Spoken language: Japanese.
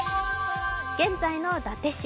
現在の伊達市。